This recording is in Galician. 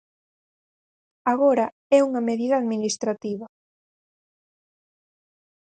Agora é unha medida administrativa.